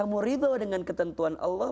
kamu ridho dengan ketentuan allah